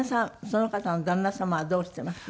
その方の旦那様はどうしています？